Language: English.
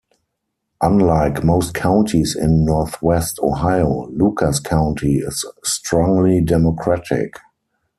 Unlike most counties in northwest Ohio, Lucas County is strongly Democratic.